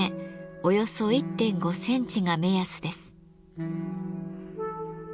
およそ１．５センチが目安です。